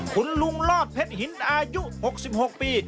คุณลุงลอดเพชรหินอายุหกสิบหกปี